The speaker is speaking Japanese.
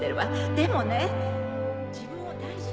でもね自分を大事に。